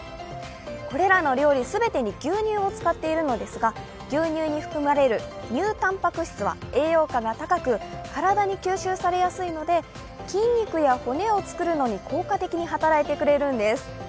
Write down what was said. これらの料理全てに牛乳を使っているのですが牛乳に含まれる乳たんぱく質は栄養価が高く、体に吸収されやすいので筋肉や骨を作るのに効果的に働いてくれるんです。